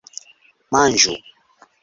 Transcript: Manĝu!!